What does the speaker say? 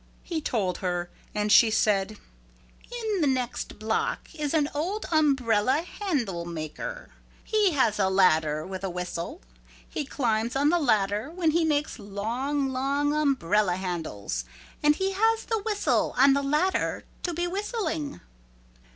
He told her. And she said, "In the next block is an old umbrella handle maker. He has a ladder with a whistle. He climbs on the ladder when he makes long long umbrella handles. And he has the whistle on the ladder to be whistling."